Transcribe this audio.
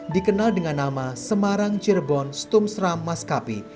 dikenal dengan nama semarang cirebon stumsram maskapi